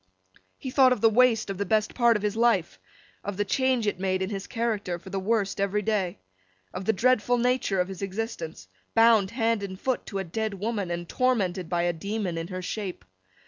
He thought of the waste of the best part of his life, of the change it made in his character for the worse every day, of the dreadful nature of his existence, bound hand and foot, to a dead woman, and tormented by a demon in her shape.